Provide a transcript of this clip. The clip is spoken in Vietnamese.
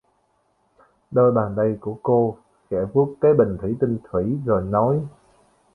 Đôi Bàn Tay của Cô khẽ vuốt cái bình thủy tinh thủy rồi nói